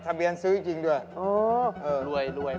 ทะเบียนซื้อจริงด้วย